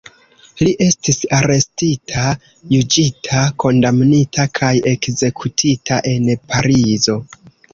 Li estis arestita, juĝita, kondamnita kaj ekzekutita en Parizo.